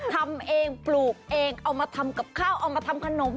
ทำเองปลูกเองเอามาทำกับข้าวเอามาทำขนม